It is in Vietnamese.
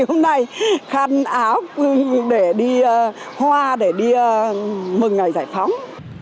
hôm nay khăn áo để đi hoa để đi mừng ngày giải phóng